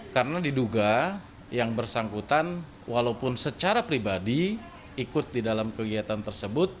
karena diduga yang bersangkutan walaupun secara pribadi ikut di dalam kegiatan tersebut